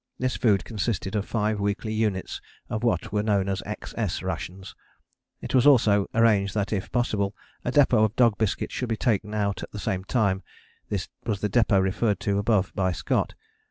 This food consisted of five weekly units of what were known as XS rations. It was also arranged that if possible a depôt of dog biscuit should be taken out at the same time: this was the depôt referred to above by Scott.